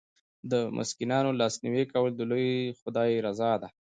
د مسکینانو لاسنیوی کول د لوی خدای رضا ده.